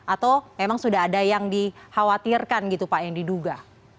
atau memang sudah ada yang dikhawatirkan gitu pak yang diduga